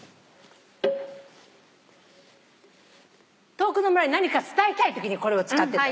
遠くの村に何か伝えたいときにこれを使ってた。